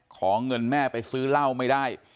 ขอเงินแม่ไปซื้อเหล้าไม่ได้